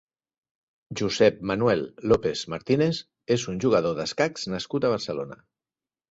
Josep Manuel López Martínez és un jugador d'escacs nascut a Barcelona.